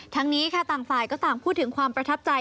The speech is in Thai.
ทั้งนี้ค่ะต่างฝ่ายก็ต่างพูดถึงความประทับใจ